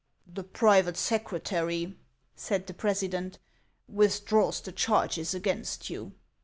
" The private secretary," said the president, " withdraws the charges against you."